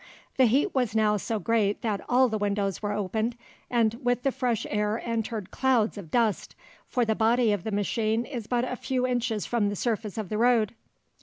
The heat was now so great that all the windows were opened, and with the fresh air entered clouds of dust, for the body of the machine is but a few inches from the surface of the road."